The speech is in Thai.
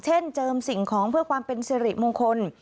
เช่นเจิมสิ่งของเพื่อความเป็นเสร็จมงคล